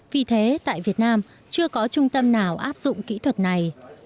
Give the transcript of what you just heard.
vì thế tại việt nam chưa có trung tâm nào áp dụng kỹ thuật này